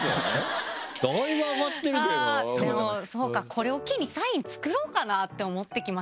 これを機にサイン作ろうかなって思ってきました。